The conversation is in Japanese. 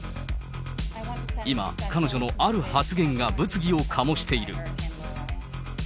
今、彼女のある発言が物議を醸している。